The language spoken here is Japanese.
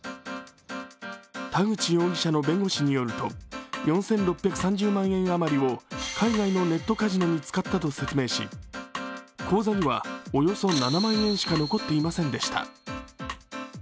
田口容疑者の弁護士によると４６３０万円余りを海外のネットカジノに使ったと説明し口座には、およそ７万円しか残っていませんでした。